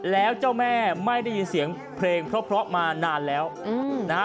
แล้วเจ้าแม่ไม่ได้ยินเสียงเพลงเพราะมานานแล้วนะฮะ